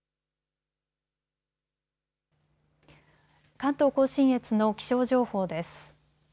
関東甲信越の気象情報です。